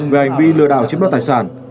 về hành vi lừa đảo chiếm đoạn tài sản